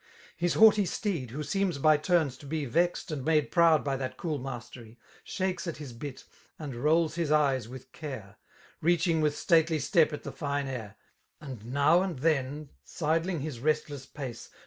His haughty steeds who seems by turns to be Vexed and made proud by that cool mastery^ Shakes at his bit^ and rolls his eyes with care> Reaching with stately step at the fine air^ And now and then^ silking his restlesfi pace.